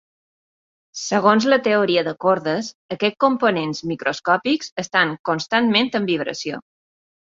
Segons la teoria de cordes, aquests components microscòpics estan constantment en vibració.